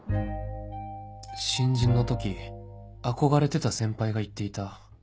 新人の時憧れてた先輩が言っていた